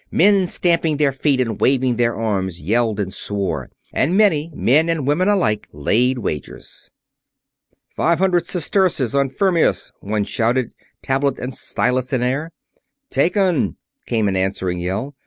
Men, stamping their feet and waving their arms, yelled and swore. And many, men and women alike, laid wagers. "Five hundred sesterces on Fermius!" one shouted, tablet and stylus in air. "Taken!" came an answering yell.